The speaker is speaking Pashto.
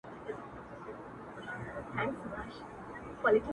زما روح دي وسوځي. وجود دي مي ناکام سي ربه.